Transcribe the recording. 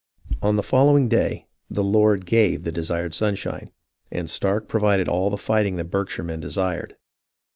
On the following day " the Lord gave the desired sun shine," and Stark provided all the fighting the Berkshire men desired.